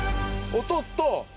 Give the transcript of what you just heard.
落とすと。